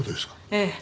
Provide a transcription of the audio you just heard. ええ。